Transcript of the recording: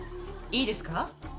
いいですか？